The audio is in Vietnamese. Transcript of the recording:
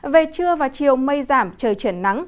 về trưa và chiều mây giảm trời chuyển nắng